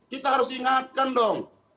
kita harus ingatkan dong